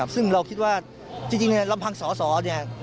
ซึ่งเราคิดว่าจริงในลำพังสอสอเนี่ย